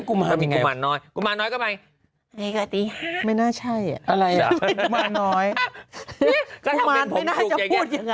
ถ้ามีกุมารน้อยกุมารน้อยก็ไปไม่น่าใช่อ่ะอะไรอ่ะกุมารน้อยไม่น่าจะพูดอย่างงี้